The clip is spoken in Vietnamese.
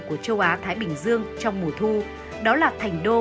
của châu á thái bình dương trong mùa thu